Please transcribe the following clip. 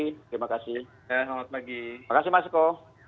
terima kasih mas eko